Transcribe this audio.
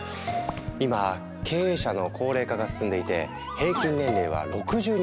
今経営者の高齢化が進んでいて平均年齢は６２歳。